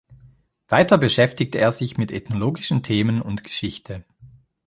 Weiter beschäftigte er sich mit ethnologischen Themen und Geschichte.